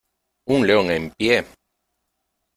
¡ un león en pie!...